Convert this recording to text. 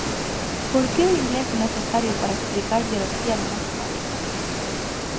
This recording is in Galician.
¿Por que o inglés é necesario para explicar bioloxía no noso país?